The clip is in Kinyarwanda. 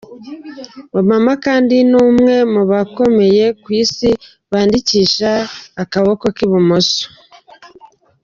Obama kandi ni umwe mu bakomeye ku isi bandikisha akaboko k'ibumoso.